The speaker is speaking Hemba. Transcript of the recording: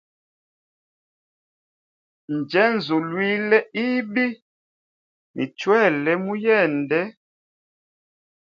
Njenzulwile ibi ni chwele muyende.